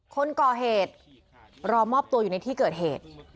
คนก่อเหตุรอมอบตัวอยู่ในที่เกิดเหตุ